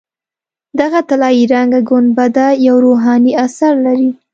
دغه طلایي رنګه ګنبده یو روحاني اثر لري.